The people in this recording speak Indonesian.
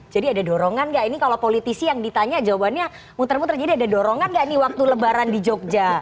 jadi ada dorongan nggak ini kalau politisi yang ditanya jawabannya muter muter jadi ada dorongan nggak nih waktu lebaran di jogja